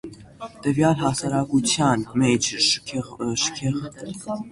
Տվյալ հասարակության մեջ շքեղության ձևն ու դերը բնորոշ են։